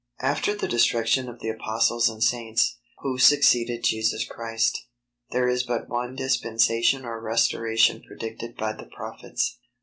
After the destruction of the Apostles and Saints, who succeeded Jesus Christ, there is but one dispensation or restoration predicted by the Prophets.